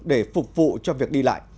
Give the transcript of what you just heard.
để phục vụ cho việc đi lại